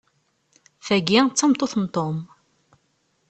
Tagi, d tameṭṭut n Tom.